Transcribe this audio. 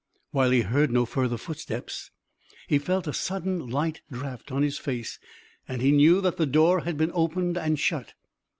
While he heard no further footsteps he felt a sudden light draught on his face and he knew that the door had been opened and shut.